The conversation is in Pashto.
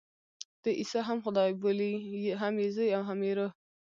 دوی عیسی هم خدای بولي، هم یې زوی او هم یې روح.